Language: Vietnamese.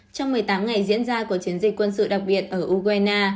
trong một mươi tám ngày diễn ra cuộc chiến dịch quân sự đặc biệt ở ukraine